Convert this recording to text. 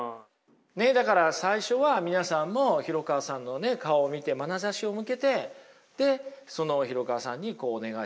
だから最初は皆さんも廣川さんの顔を見てまなざしを向けてでその廣川さんにお願いされた。